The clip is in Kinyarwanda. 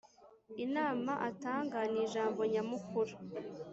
Inama atanga ni ijambo nyamukuru